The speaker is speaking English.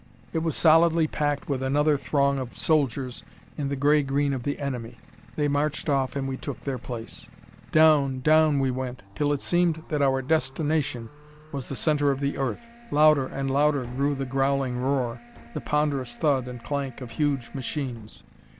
It was solidly packed with another throng of soldiers in the gray green of the enemy. They marched off and we took their place. Down, down, we went, till it seemed that our destination was the center of the earth. Louder and louder grew the growling roar, the ponderous thud and clank of huge machines.